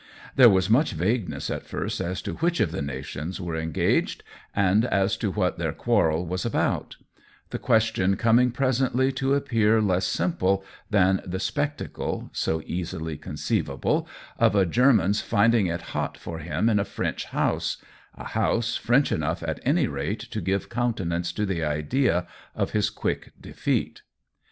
There was much vagueness at first as to which of the nations were engaged, and as to what their quarrel was about ; the question coming presently to appear less COLLABORATION 107 simple than the spectacle (so easily con ceivable) of a German's finding it hot for him in a French house — a house French enough, at any rate, to give countenance to the idea of his quick defeat.